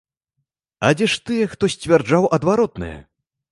А дзе ж тыя, хто сцвярджаў адваротнае?